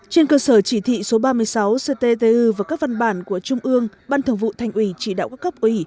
trên cơ sở chỉ thị số ba mươi sáu cttu và các văn bản của trung ương ban thường vụ thành ủy chỉ đạo các cấp ủy